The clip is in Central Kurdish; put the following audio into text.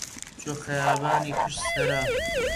بچۆ خەیابانی پشت سەرا